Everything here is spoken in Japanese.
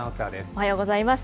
おはようございます。